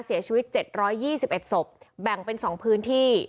เสียชีวิตเจ็ดร้อยยี่สิบเอ็ดศพแบ่งเป็นสองพื้นที่